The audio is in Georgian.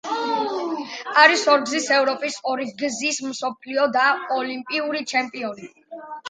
არის ორგზის ევროპის, ორგზის მსოფლიო და ოლიმპიური ჩემპიონი.